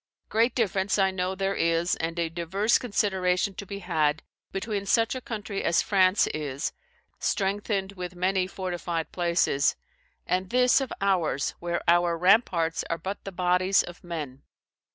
"Great difference I know there is, and a diverse consideration to be had, between such a country as France is, strengthened with many fortified places; and this of ours, where our ramparts are but the bodies of men.